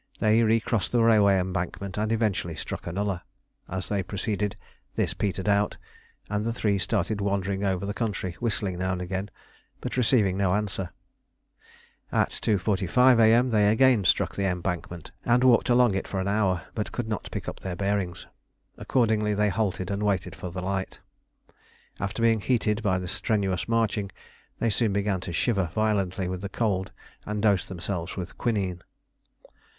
They recrossed the railway embankment and eventually struck a nullah. As they proceeded this petered out, and the three started wandering over the country, whistling now and again, but receiving no answer. At 2.45 A.M. they again struck the embankment and walked along it for an hour, but could not pick up their bearings. Accordingly they halted and waited for the light. After being heated by the strenuous marching, they soon began to shiver violently with the cold and dosed themselves with quinine.